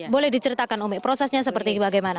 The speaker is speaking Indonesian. boleh diceritakan umi prosesnya seperti bagaimana